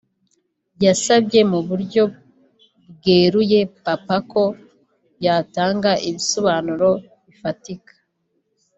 yasabye mu buryo bweruye papa ko yatanga ibisobanuro bifatika